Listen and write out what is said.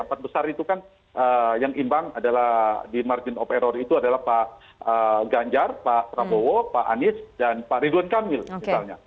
empat besar itu kan yang imbang adalah di margin of error itu adalah pak ganjar pak prabowo pak anies dan pak ridwan kamil misalnya